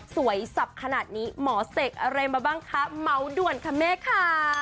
สับขนาดนี้หมอเสกอะไรมาบ้างคะเมาด่วนค่ะแม่ค่ะ